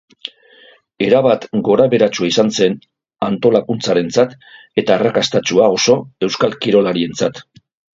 Erabat gora beheratsua izan zen antolakuntzarentzat, eta arrakastatsua oso euskal kirolarientzat.